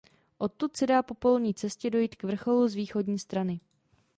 Odtud se dá po polní cestě dojít k vrcholu z východní strany.